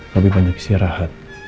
lebih banyak istirahat